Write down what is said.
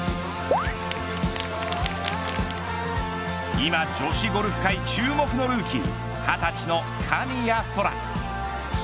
今女子ゴルフ界注目のルーキー２０歳の神谷そら。